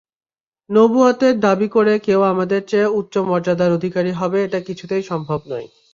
নবুওয়াতের দাবী করে কেউ আমাদের চেয়ে উচ্চ মর্যাদার অধিকারী হবে-এটা কিছুতেই সম্ভব নয়।